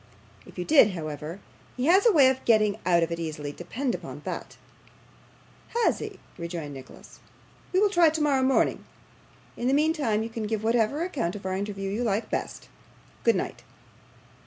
If you did, however, he has a way of getting out of it easily, depend upon that.' 'Has he?' rejoined Nicholas. 'We will try, tomorrow morning. In the meantime, you can give whatever account of our interview you like best. Good night.